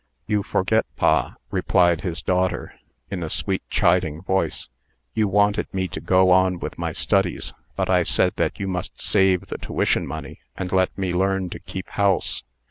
"You forget, pa," replied his daughter, in a sweet, chiding voice. "You wanted me to go on with my studies, but I said that you must save the tuition money, and let me learn to keep house.